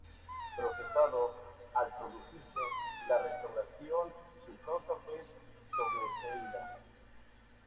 Procesado al producirse la Restauración, su causa fue sobreseída.